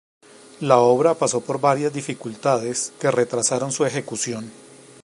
La obra pasó por varias dificultades que retrasaron su ejecución.